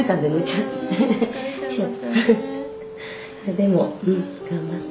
でも頑張った。